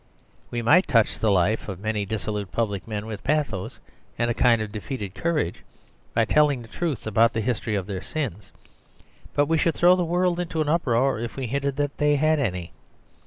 We might touch the life of many dissolute public men with pathos, and a kind of defeated courage, by telling the truth about the history of their sins. But we should throw the world into an uproar if we hinted that they had any.